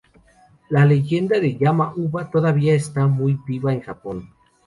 La leyenda de Yama-uba todavía está muy viva en Japón.